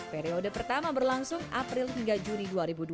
periode pertama berlangsung april hingga juni dua ribu dua puluh